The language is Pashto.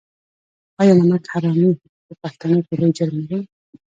آیا نمک حرامي په پښتنو کې لوی جرم نه دی؟